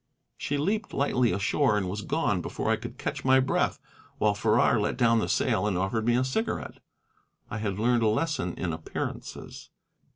She leaped lightly ashore and was gone before I could catch my breath, while Farrar let down the sail and offered me a cigarette. I had learned a lesson in appearances.